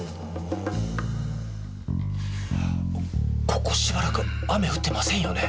ここしばらく雨降ってませんよね？